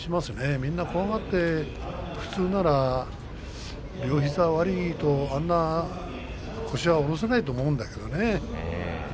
みんな怖がって普通なら両膝悪いとあんな腰は下ろさないと思うんですけどね。